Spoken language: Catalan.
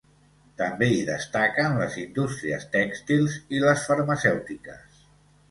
També hi destaquen les indústries tèxtils i les farmacèutiques.